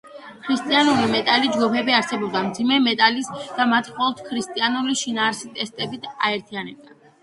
ქრისტიანული მეტალ ჯგუფები არსებობენ მძიმე მეტალის და მათ მხოლოდ ქრისტიანული შინაარსის ტექსტები აერთიანებთ.